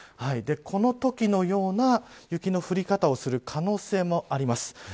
このときのような雪の降り方をする可能性もあります。